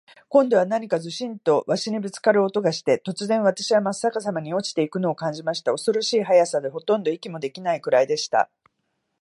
今度は何かズシンと鷲にぶっつかる音がして、突然、私はまっ逆さまに落ちて行くのを感じました。恐ろしい速さで、ほとんど息もできないくらいでした。